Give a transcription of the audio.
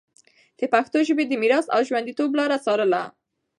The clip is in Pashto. د پښتو ژبي د میراث او ژونديتوب لاره څارله